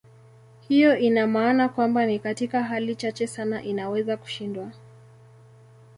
Hiyo ina maana kwamba ni katika hali chache sana inaweza kushindwa.